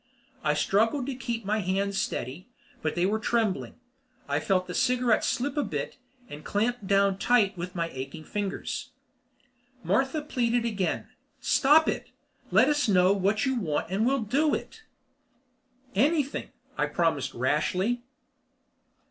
I struggled to keep my hands steady, but they were trembling. I felt the cigarette slip a bit and clamped down tight again with my aching fingers. Martha pleaded again: "Stop it! Let us know what you want and we'll do it." "Anything," I promised rashly.